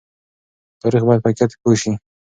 تاریخ باید په حقیقت پوه شي.